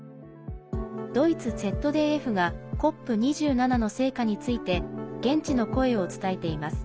ドイツＺＤＦがＣＯＰ２７の成果について現地の声を伝えています。